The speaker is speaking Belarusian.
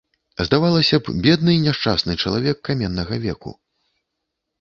Здавалася б, бедны і няшчасны чалавек каменнага веку.